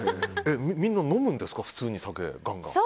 みんな飲むんですか普通に、酒、ガンガン。